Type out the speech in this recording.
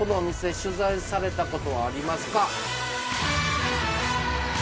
取材された事はありますか？